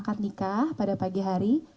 pernikah pada pagi hari